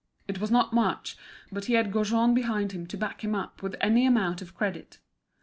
It was not much, but he had Gaujean behind him to back him up with any amount of credit.